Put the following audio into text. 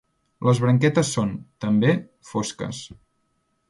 Les branquetes són, també, fosques.